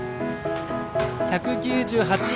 １９８！あ。